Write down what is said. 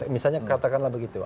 misalnya katakanlah begitu